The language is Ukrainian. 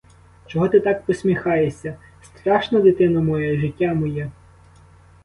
Чого ти так посміхаєшся страшно, дитино моя, життя моє?